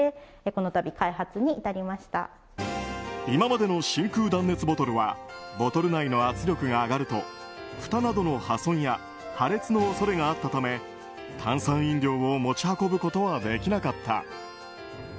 今までの真空断熱ボトルはボトル内の圧力が上がるとふたなどの破損や破裂の恐れがあったため炭酸飲料を持ち運ぶことはできなかった。